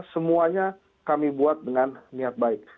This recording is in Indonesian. semuanya kami buat dengan niat baik